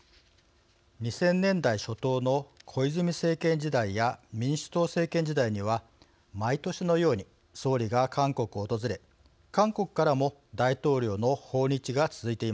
２０００年代初頭の小泉政権時代や民主党政権時代には毎年のように総理が韓国を訪れ韓国からも大統領の訪日が続いていました。